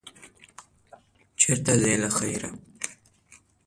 چېرته ځې، له خیره؟